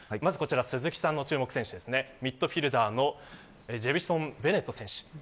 鈴木さんの注目選手はミッドフィルダーのジェウィソン・ベネット選手。